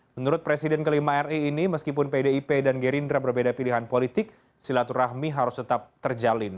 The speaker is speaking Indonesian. menurut presiden kelima ri ini meskipun pdip dan gerindra berbeda pilihan politik silaturahmi harus tetap terjalin